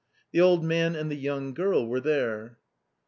The old man and the young girl were there.